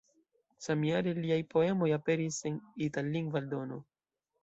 Samjare liaj poemoj aperis en itallingva eldono.